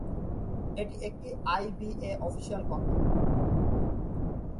এটি একটি IBA official cocktail.